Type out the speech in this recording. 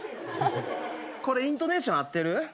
これイントネーション合ってる？